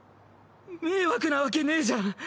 迷惑なわけねぇじゃん。